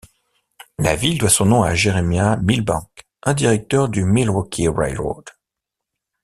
La ville doit son nom à Jeremiah Milbank, un directeur du Milwaukee Railroad.